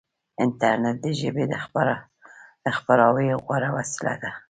انټرنیټ د ژبې د خپراوي غوره وسیله ده.